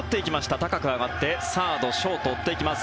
高く上がってサード、ショート追っていきます。